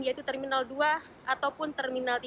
yaitu terminal dua ataupun terminal tiga